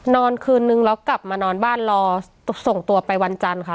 นอนคืนนึงแล้วกลับมานอนบ้านรอส่งตัวไปวันจันทร์ค่ะ